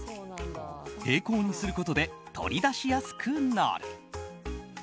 平行にすることで取り出しやすくなる。